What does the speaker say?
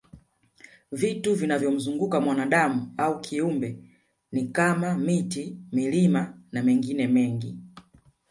Vitu vinavyomzunguka mwanadam au kiumbe ni kama miti milima na mengine mengi